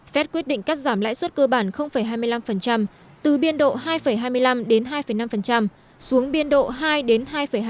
phép quyết định cắt giảm lãi suất cơ bản hai mươi năm từ biên độ hai hai mươi năm đến hai năm xuống biên độ hai đến hai hai